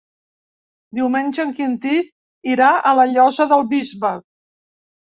Diumenge en Quintí irà a la Llosa del Bisbe.